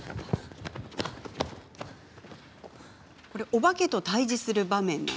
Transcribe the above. おばけと対じする場面。